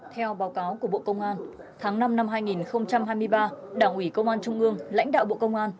theo báo cáo của bộ công an tháng năm năm hai nghìn hai mươi ba đảng ủy công an trung ương lãnh đạo bộ công an